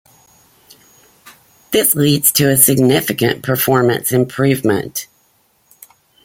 This leads to a significant performance improvement.